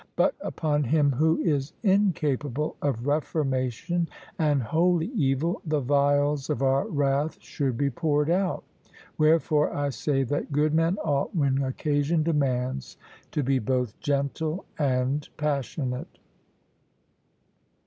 But upon him who is incapable of reformation and wholly evil, the vials of our wrath should be poured out; wherefore I say that good men ought, when occasion demands, to be both gentle and passionate.